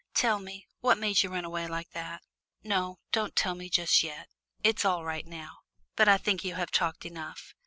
Tell me, what made you run away like that no, don't tell me just yet. It is all right now, but I think you have talked enough.